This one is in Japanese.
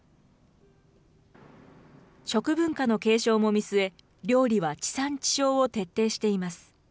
食文化の継承も見据え、料理は地産地消を徹底しています。